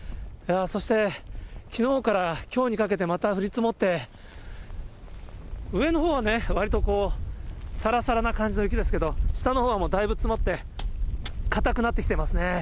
そして、きのうからきょうにかけてまた降り積もって、上のほうはわりとさらさらな感じの雪ですけれども、下のほうはもうだいぶ詰まって固くなってきていますね。